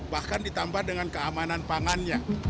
bahkan ditambah dengan keamanan pangannya